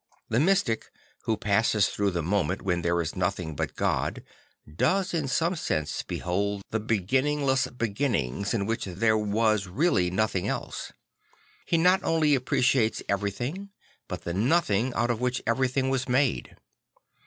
The mystic who passes through the moment when there is nothing but God does in some sense behold the beginningless beginnings in which there was reall y nothing else. He not onl y appreciates everything but the nothing of which everything was made.